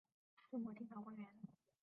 中国清朝官员。